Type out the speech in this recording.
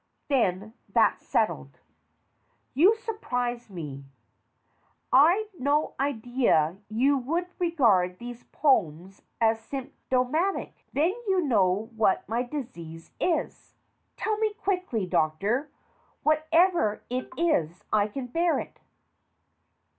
Then, that's settled. You surprise me. I'd no idea you would regard these poems as symptomatic. Then you know what my disease is. Tell me quickly, Doctor. Whatever it is, I can bear it.